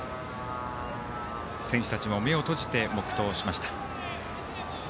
選手たちも目を閉じて黙祷をささげました。